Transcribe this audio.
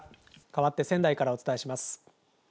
かわって仙台からお伝えします。